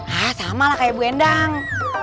hanya sama lah kayak bu endang